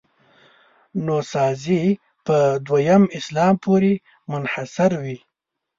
نوسازي په دویم اسلام پورې منحصروي.